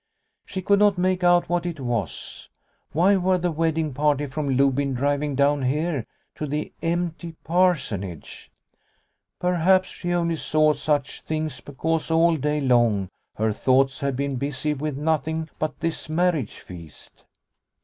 She could not make out what it was. Why were the wedding party from Lobyn driving down here to the empty Parsonage ? Perhaps she only saw such things because all day long her thoughts had been busy with nothing but this marriage feast.